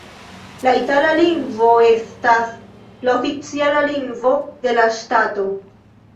La itala lingvo estas la oficiala lingvo de la ŝtato.